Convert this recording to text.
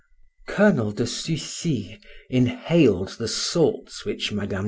Colonel de Sucy inhaled the salts which Mme.